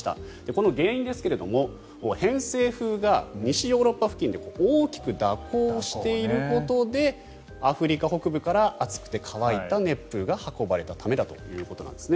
この原因ですが偏西風が西ヨーロッパ付近で大きく蛇行していることでアフリカ北部から熱くて乾いた熱風が運ばれたためだということです。